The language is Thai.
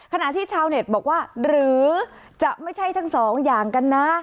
ขณะที่ชาวเน็ตบอกว่าหรือจะไม่ใช่ทั้งสองอย่างกันนะ